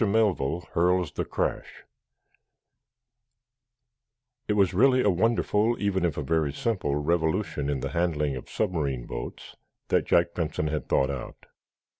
MELVILLE HURLS THE CRASH It was really a wonderful, even if a very simple, revolution in the handling of submarine boats that Jack Benson had thought out.